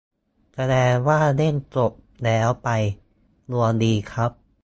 แสดงว่าเล่นจบแล้วไป ดวงดีครับ